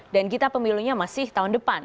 dan kita pemilunya masih tahun depan